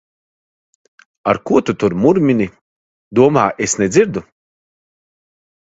Ar ko tu tur murmini? Domā, es nedzirdu!